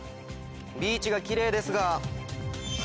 ビーチがキレイですが。